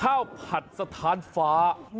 ข้าวผัดสะทานฟ้า